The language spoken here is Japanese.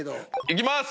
いきます！